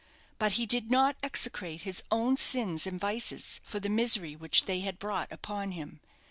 But he did not execrate his own sins and vices for the misery which they had brought upon him.